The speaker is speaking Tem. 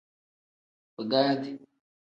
Bigaadi.